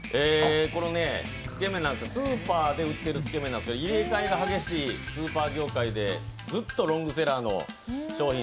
スーパーで売ってるつけ麺なんですけど、入れ替わりの激しいスーパーの中でずっとロングセラーの商品。